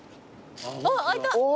あっ開いた。